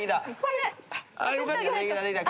よかった。